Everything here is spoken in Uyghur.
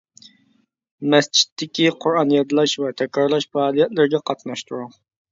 مەسچىتتىكى قۇرئان يادلاش ۋە تەكرارلاش پائالىيەتلىرىگە قاتناشتۇرۇڭ.